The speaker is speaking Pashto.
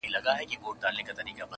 هله بهیاره بیا له دې باغه مېوې وباسو,